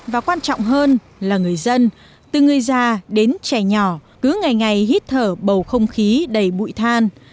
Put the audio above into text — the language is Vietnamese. và quan trọng hơn là người dân từ người già đến trẻ nhỏ cứ ngày ngày hít thở bầu không khí đầy bụi than